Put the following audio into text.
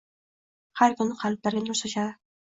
Har kuni qalblarga nur sochadi.